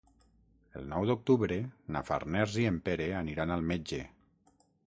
El nou d'octubre na Farners i en Pere aniran al metge.